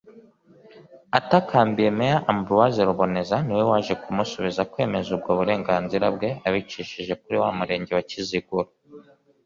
Atakambiye Mayor Ambroise Ruboneza ni we waje kumusubiza kwemeza ubwo burenganzira bwe abicishije kuri wa murenge wa Kiziguro